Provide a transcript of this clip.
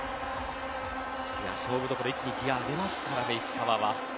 勝負どころ一気にギア上げますからね、石川は。